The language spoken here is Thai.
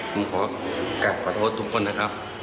ผมขอแก้ประโทษทุกคนนะครับ